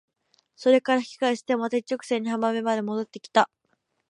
それから引き返してまた一直線に浜辺まで戻って来た。